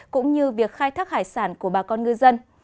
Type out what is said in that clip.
cũng như việc khai thác hải sản của bà con ngư dân